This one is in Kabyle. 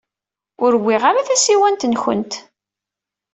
Ur wwiɣ ara tasiwant-nwent.